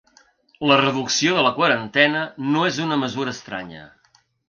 La reducció de la quarantena no és una mesura estranya.